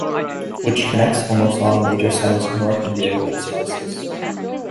Which connects almost all the major centres of North India with its services.